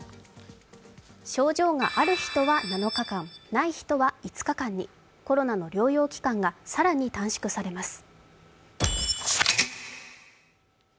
症状がある人は７日間、ない人は５日間にコロナの療養期間が更に短縮されます。